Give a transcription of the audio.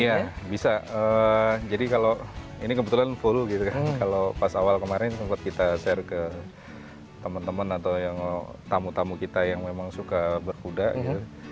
iya bisa jadi kalau ini kebetulan full gitu kan kalau pas awal kemarin sempat kita share ke teman teman atau yang tamu tamu kita yang memang suka berkuda gitu